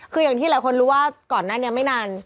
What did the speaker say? คืออย่างที่หลายคนรู้ว่าก่อนหน้านี้ไม่นาน